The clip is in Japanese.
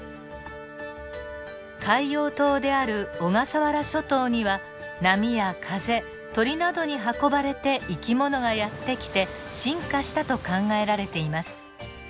海洋島である小笠原諸島には波や風鳥などに運ばれて生き物がやって来て進化したと考えられています。